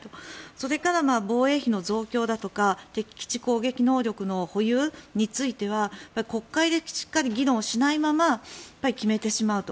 それから防衛費の増強だとか敵基地攻撃能力の保有については国会でしっかり議論しないまま決めてしまうと。